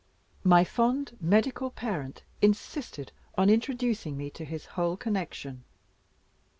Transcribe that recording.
My fond medical parent insisted on introducing me to his whole connection.